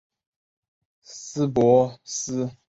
司珀斯古罗马宗教和神话中职司希望的女性神只之一。